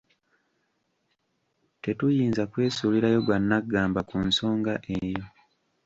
Tetuyinza kwesuulirayo gwa nnaggamba ku nsonga eyo.